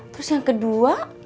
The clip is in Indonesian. terus yang kedua